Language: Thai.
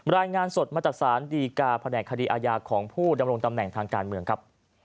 รายงานสดมาจากศาลดีกาแผนกคดีอาญาของผู้ดำรงตำแหน่งทางการเมืองครับ